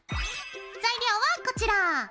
材料はこちら！